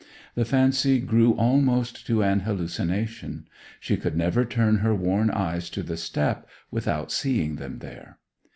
The fancy grew almost to an hallucination: she could never turn her worn eyes to the step without seeing them there.